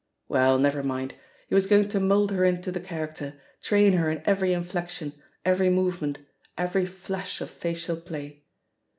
Well, never mind I he was going to mould her into the character, train her in every inflexion, every movement, every flash of facial play.